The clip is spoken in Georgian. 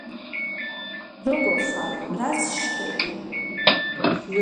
როგორ ხარ რას შვები